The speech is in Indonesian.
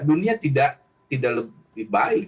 dunia tidak lebih baik